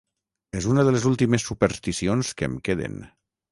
És una de les últimes supersticions que em queden.